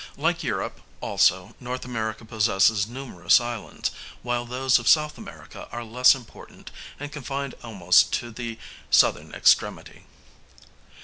Like Europe also N. America possesses numerous islands, while those of S. America are less important and confined almost to the southern extremity.